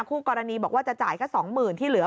คู่กรณีบอกว่าจะจ่ายแค่๒๐๐๐ที่เหลือ